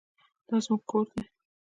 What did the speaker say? دا زموږ کور دی